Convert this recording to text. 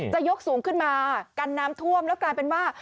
จะยกสูงขึ้นมากันน้ำท่วมแล้วกลายเป็นว่า